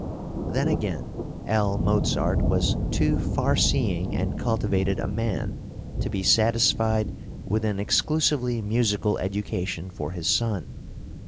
Then again, L. Mozart was too far seeing and cultivated a man to be satisfied with an exclusively musical education for his son.